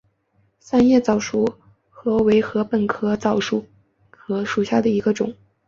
三叶早熟禾为禾本科早熟禾属下的一个种。